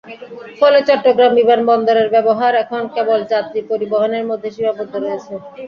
ফলে চট্টগ্রাম বিমানবন্দরের ব্যবহার এখন কেবল যাত্রী পরিবহনের মধ্যে সীমাবদ্ধ রয়েছে।